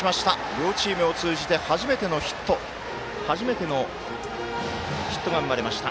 両チームを通じて初めてのヒットが生まれました。